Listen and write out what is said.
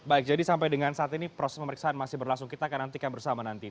baik jadi sampai dengan saat ini proses pemeriksaan masih berlangsung kita akan nantikan bersama nanti